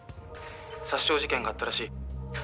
「殺傷事件があったらしい」